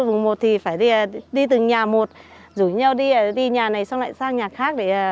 mùng một thì phải đi từ nhà một rủ nhau đi đi nhà này xong lại sang nhà khác